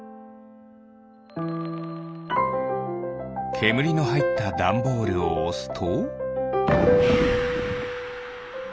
けむりのはいったダンボールをおすと？